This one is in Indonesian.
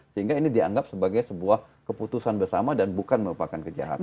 sehingga ini dianggap sebagai sebuah keputusan bersama dan bukan merupakan kejahatan